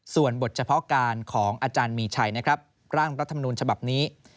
ส่วนบทเฉพาะการของอาจารย์มีชัยนะครับร่างรัฐมนูญฉบับนี้